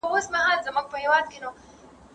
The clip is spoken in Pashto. زه مخکي سبا ته فکر کړی و!؟